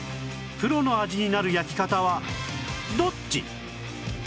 プロの味になる焼き方はどっち？